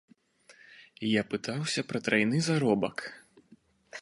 Я пытаўся пра трайны заробак.